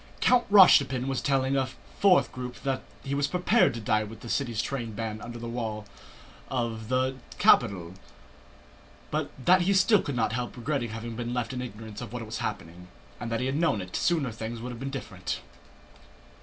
Count Rostopchín was telling a fourth group that he was prepared to die with the city train bands under the walls of the capital, but that he still could not help regretting having been left in ignorance of what was happening, and that had he known it sooner things would have been different....